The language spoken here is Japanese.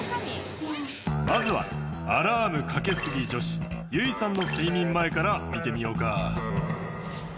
まずはアラームかけすぎ女子ゆいさんの睡眠前から見てみようか。